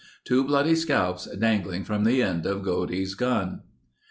Two bloody scalps dangling from the end of Godey's gun...."